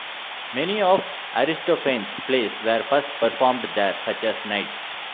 Many of Aristophanes' plays were first performed there, such as 'Knights'.